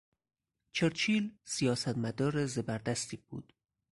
چرچیل سیاستمدار زبردستی بود.